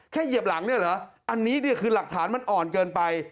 เหยียบหลังเนี่ยเหรออันนี้เนี่ยคือหลักฐานมันอ่อนเกินไป